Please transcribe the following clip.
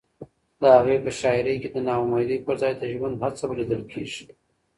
د هغه په شاعرۍ کې د ناامیدۍ پر ځای د ژوند هڅه لیدل کېږي.